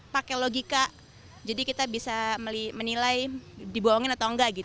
pakai logika jadi kita bisa menilai dibohongin atau enggak